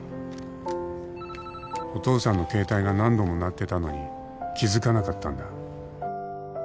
「お父さんの携帯が何度も鳴ってたのに気付かなかったんだ」